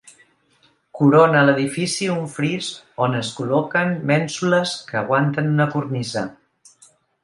Corona l'edifici un fris on es col·loquen mènsules que aguanten una cornisa.